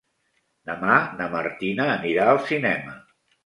Demà na Martina anirà al cinema.